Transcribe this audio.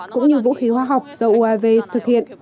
cũng như vũ khí hóa học do uav thực hiện